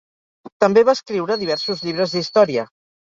També va escriure diversos llibres d'història.